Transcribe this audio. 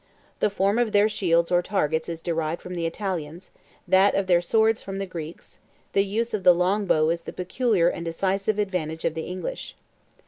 The form of their shields or targets is derived from the Italians, that of their swords from the Greeks; the use of the long bow is the peculiar and decisive advantage of the English.